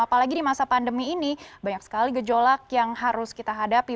apalagi di masa pandemi ini banyak sekali gejolak yang harus kita hadapi